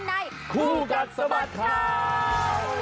คู่กัดสะบัดข่าว